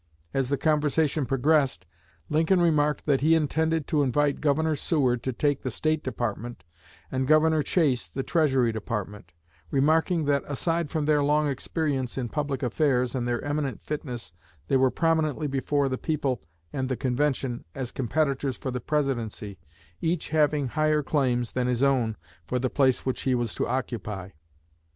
As the conversation progressed, Lincoln remarked that he intended to invite Governor Seward to take the State Department and Governor Chase the Treasury Department, remarking that aside from their long experience in public affairs and their eminent fitness they were prominently before the people and the convention as competitors for the Presidency, each having higher claims than his own for the place which he was to occupy.